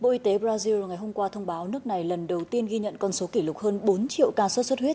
bộ y tế brazil ngày hôm qua thông báo nước này lần đầu tiên ghi nhận con số kỷ lục hơn bốn triệu ca sốt xuất huyết